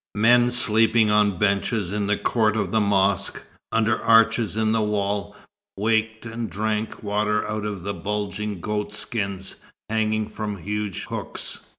Men sleeping on benches in the court of the mosque, under arches in the wall, waked and drank water out of bulging goatskins, hanging from huge hooks.